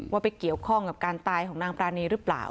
ว่าไปเกี่ยวข้องกับการตายของนางปรานีหรือเปล่า